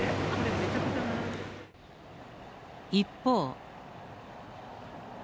一方。